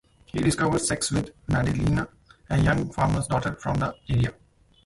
He discovers sex with Madeleine, a young farmer's daughter from the area.